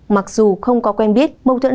mặc dù không có quen biết